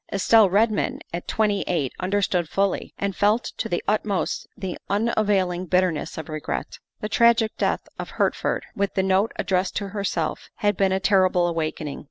Estelle Redmond at twenty eight understood fully, and felt to the utmost the unavailing bitterness of regret. The tragic death of Hertford, with the note addressed to herself, had been a terrible awakening.